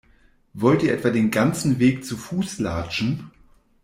Wollt ihr etwa den ganzen Weg zu Fuß latschen?